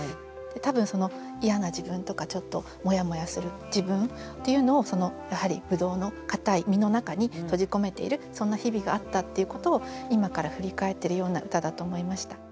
多分その嫌な自分とかちょっとモヤモヤする自分っていうのをやはりぶどうのかたい実の中に閉じ込めているそんな日々があったっていうことを今から振り返っているような歌だと思いました。